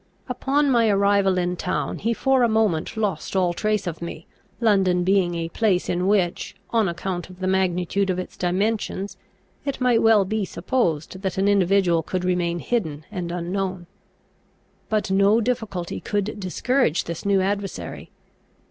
Upon my arrival in town he for a moment lost all trace of me, London being a place in which, on account of the magnitude of its dimensions, it might well be supposed that an individual could remain hidden and unknown. But no difficulty could discourage this new adversary.